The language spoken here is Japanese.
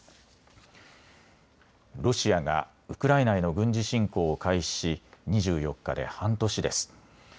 ロシアがウクライナへの軍事侵攻を開始し２４日で半年です。